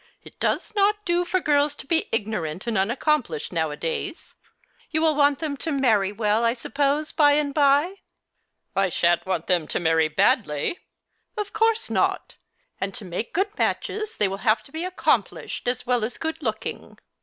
It does not do for girls to be ignorant and unaccomplished nowadays. You w ill want them to marry well, I suppose, by and by ?"" I shan't want them to marry badly." " Of course not ; and to make good matches they will have to be accomplished as well as good looking.